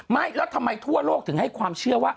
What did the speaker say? ไม่แล้วทำไมทั่วโลกถึงให้ความเชื่อว่า